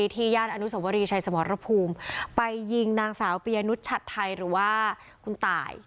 ย่านอนุสวรีชัยสมรภูมิไปยิงนางสาวปียนุชชัดไทยหรือว่าคุณตาย